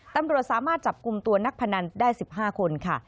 ตำรวจสามารถจับกลุ่มตัวนักพนันได้๑๕คนค่ะ